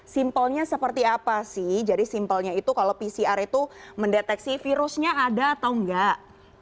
simpelnya seperti apa sih jadi simpelnya itu kalau pcr itu mendeteksi virusnya ada atau enggak